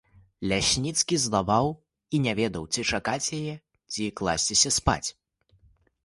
Лясніцкі злаваў і не ведаў, ці чакаць яе, ці класціся спаць.